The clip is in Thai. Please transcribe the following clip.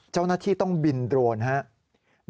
เจ้าหน้าที่ต้องบินโดรนครับ